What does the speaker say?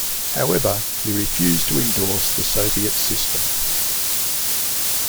However he refused to endorse the Soviet system.